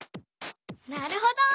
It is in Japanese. なるほど。